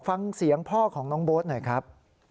ฟังเสียงพ่อของน้องโบ๊ทหน่อยครับ